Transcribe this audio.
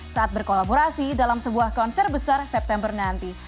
saat berkolaborasi dalam sebuah konser besar september nanti